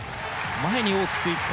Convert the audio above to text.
前に大きく１歩。